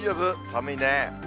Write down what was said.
寒いね。